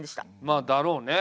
まあだろうね。